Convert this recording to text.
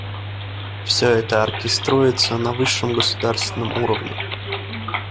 Все это оркеструется на высшем государственном уровне.